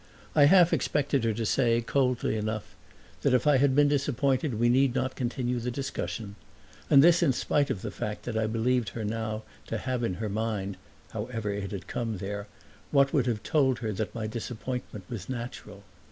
I half expected her to say, coldly enough, that if I had been disappointed we need not continue the discussion, and this in spite of the fact that I believed her now to have in her mind (however it had come there) what would have told her that my disappointment was natural.